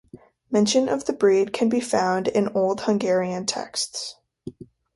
Mention of the breed can be found in old Hungarian texts.